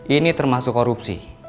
ini termasuk korupsi